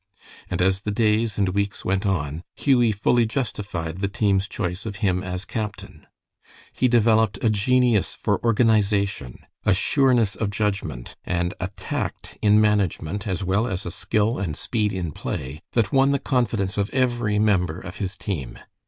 And as the days and weeks went on, Hughie fully justified the team's choice of him as captain. He developed a genius for organization, a sureness of judgment, and a tact in management, as well as a skill and speed in play, that won the confidence of every member of his team.